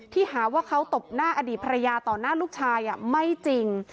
หาว่าเขาตบหน้าอดีตภรรยาต่อหน้าลูกชายไม่จริง